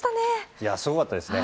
いやー、すごかったですね。